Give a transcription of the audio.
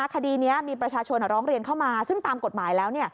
คดีนี้มีประชาชนร้องเรียนเข้ามาซึ่งตามกฎหมายแล้ว